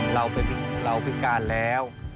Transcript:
เราเป็นผู้พิการแล้ว